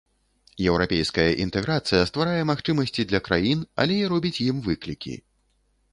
Еўрапейская інтэграцыя стварае магчымасці для краін, але і робіць ім выклікі.